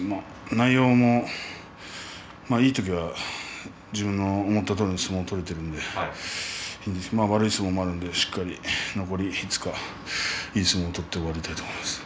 内容も、まあいい時は自分の思ったとおりの相撲が取れているんで悪い相撲もあるんでしっかり残り５日いい相撲を取っていきたいです。